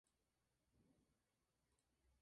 La pareja tenía ocho hijos.